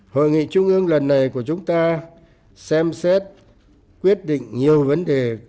hội nghị trung ương lần này của chúng ta xem xét quyết định nhiều vấn đề